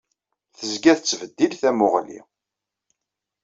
Tezga tettbeddil tamuɣli.